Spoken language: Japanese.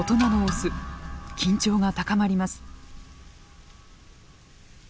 緊張が高まります。